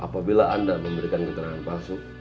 apabila anda memberikan keterangan palsu